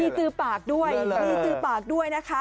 มีจือปากด้วยมีจือปากด้วยนะคะ